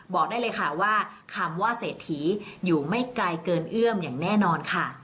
บอกได้เลยค่ะว่าคำว่าเศรษฐีอยู่ไม่ไกลเกินเอื้อมอย่างแน่นอนค่ะ